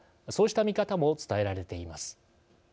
そうした見方も伝えられています。